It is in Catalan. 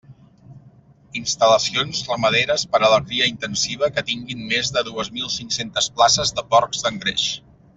Instal·lacions ramaderes per a la cria intensiva que tinguin més de dues mil cinc-centes places de porcs d'engreix.